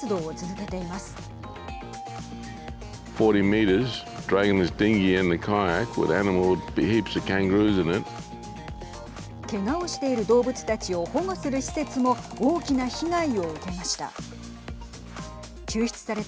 けがをしている動物たちを保護する施設も大きな被害を受けました。